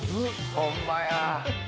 ホンマや。